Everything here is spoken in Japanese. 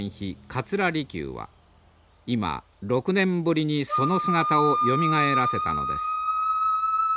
桂離宮は今６年ぶりにその姿をよみがえらせたのです。